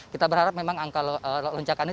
kita berharap memang angka loncakannya